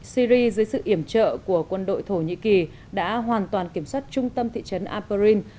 syri dưới sự iểm trợ của quân đội thổ nhĩ kỳ đã hoàn toàn kiểm soát trung tâm thị trấn aberin